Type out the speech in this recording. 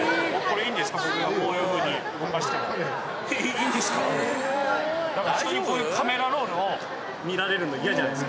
いいんですか？